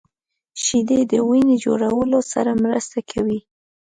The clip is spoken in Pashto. شیدې د وینې جوړولو سره مرسته کوي